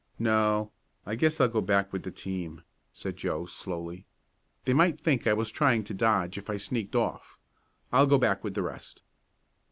"No, I guess I'll go back with the team," said Joe, slowly. "They might think I was trying to dodge if I sneaked off. I'll go back with the rest."